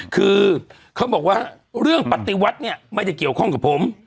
คือเขาบอกว่าเรื่องปฏิวัติเนี่ยไม่ได้เกี่ยวข้องกับผม